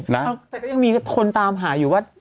แต่ก็ยังมีคนตามหาอยู่ว่า